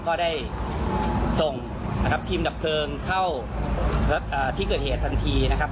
ก็ได้ส่งนะครับทีมดับเพลิงเข้าที่เกิดเหตุทันทีนะครับ